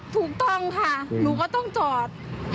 ถูกต้องค่ะหนูก็ต้องจอด